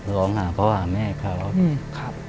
ร้องหาพ่อหาแม่เขา